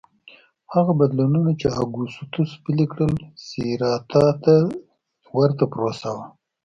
هغه بدلونونه چې اګوستوس پلي کړل سېراتا ته ورته پروسه وه